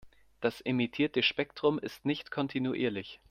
Das emittierte Spektrum ist nicht kontinuierlich.